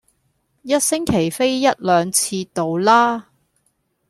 一星期飛一兩次到啦